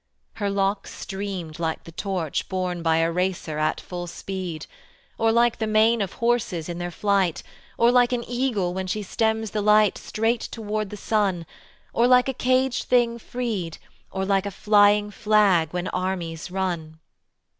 Her locks streamed like the torch Borne by a racer at full speed, Or like the mane of horses in their flight, Or like an eagle when she stems the light Straight toward the sun, Or like a caged thing freed, Or like a flying flag when armies run.